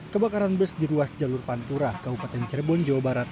kebakaran bus di ruas jalur pantura kabupaten cirebon jawa barat